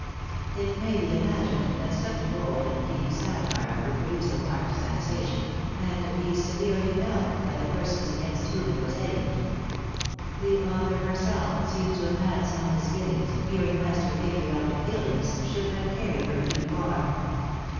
"= It may be imagined that such bold and keen satire would produce a marked sensation, and be severely felt by the persons against whom it was aimed. The author herself seems to have had some misgivings, fearing lest her patriotic feelings should have carried her too far.